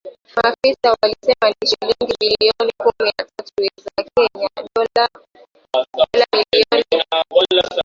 Maafisa walisema ni shilingi bilioni kumi na tatu za Kenya (dola milioni mia moja kumi na mbili).